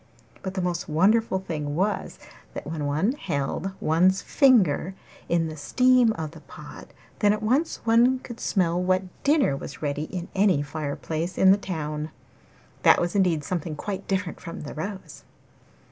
But the most wonderful thing was, that when one held one's finger in the steam of the pot, then at once one could smell what dinner was ready in any fire place in the town. That was indeed something quite different from the rose.